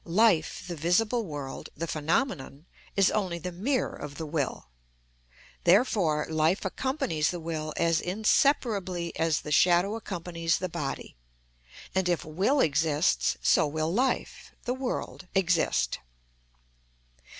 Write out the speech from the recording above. Life, the visible world, the phenomenon, is only the mirror of the will. Therefore life accompanies the will as inseparably as the shadow accompanies the body; and if will exists, so will life, the world, exist.